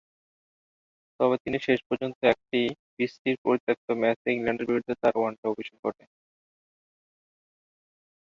তবে তিনি শেষ পর্যন্ত একটি বৃষ্টির পরিত্যক্ত ম্যাচে ইংল্যান্ডের বিরুদ্ধে তার ওয়ানডে অভিষেক ঘটে।